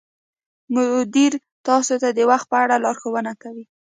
مدیر تاسو ته د وخت په اړه لارښوونه کوي.